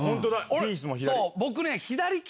ピースも左。